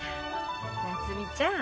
夏海ちゃん。